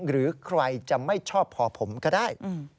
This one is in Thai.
หรือใครจะไม่ชอบพอผมก็ได้